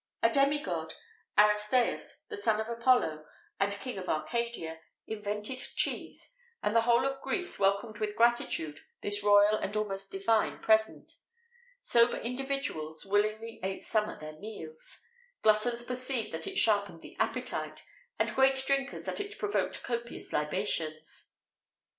A demi god, Aristæus, the son of Apollo, and King of Arcadia, invented cheese,[XVIII 39] and the whole of Greece welcomed with gratitude this royal and almost divine present. Sober individuals willingly ate some at their meals;[XVIII 40] gluttons perceived that it sharpened the appetite; and great drinkers that it provoked copious libations.